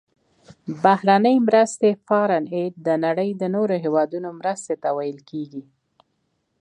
بهرنۍ مرستې Foreign Aid د نړۍ د نورو هیوادونو مرستې ته ویل کیږي.